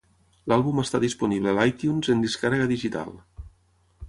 L'àlbum està disponible a l'iTunes en descàrrega digital.